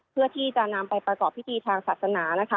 เพื่อที่จะนำไปประกอบพิธีทางศาสนานะคะ